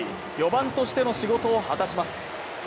４番としての仕事を果たします。